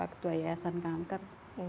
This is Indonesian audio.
ketua yayasan kangker